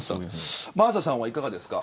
真麻さんはいかがですか。